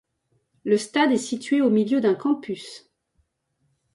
Le stade est situé au milieu d'un campus.